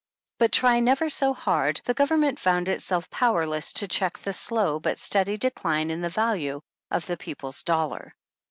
But try never so hard, the Government found itself powerless to check the slow but steady decline in value of the people's dollar.